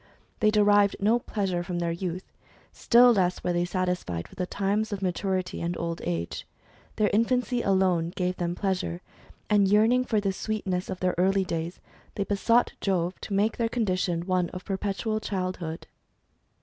They derived no pleasure from their youth ; still less were they satisfied with the times of maturity, and old age. Their infancy alone gave them pleasure, and yearning for the sweetness of their early days, they besought Jove to make their condition one of perpetual childhood.